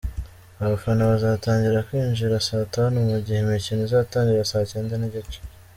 Abafana bazatangira kwinjira saa tanu mu gihe umukino uzatangira saa cyenda n’igice.